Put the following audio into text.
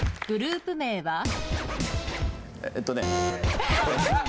グループ名は？